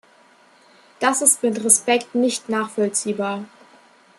Das ist mit Respekt nicht nachvollziehbar.